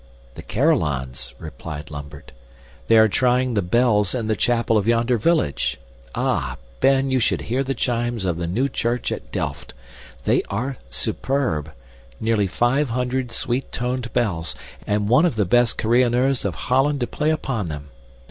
"The carillons," replied Lambert. "They are trying the bells in the chapel of yonder village. Ah! Ben, you should hear the chimes of the 'New Church' at Delft. They are superb nearly five hundred sweet toned bells, and on of the best carillonneurs of Holland to play upon them.